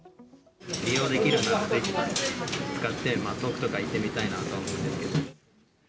利用できるなら、使って遠くとか行ってみたいなとは思うんですけど。